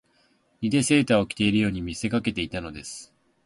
以てセーターを着ているように見せかけていたのです